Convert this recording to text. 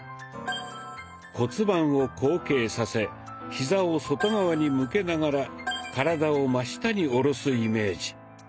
骨盤を後傾させヒザを外側に向けながら体を真下に下ろすイメージ。